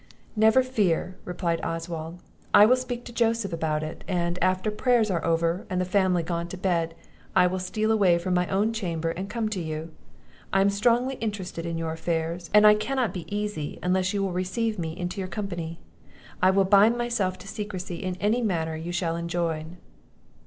"Never fear," replied Oswald, "I will speak to Joseph about it; and, after prayers are over and the family gone to bed, I will steal away from my own chamber and come to you. I am strongly interested in your affairs; and I cannot be easy unless you will receive me into your company; I will bind myself to secrecy in any manner you shall enjoin."